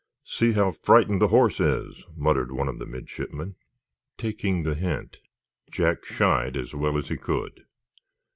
"See how frightened the horse is," muttered one of the midshipmen. Taking the hint, Jack shied as well as he could.